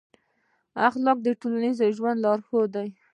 اخلاق د ټولنیز ژوند لارښود دی.